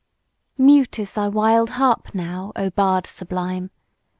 MUTE is thy wild harp, now, O bard sublime!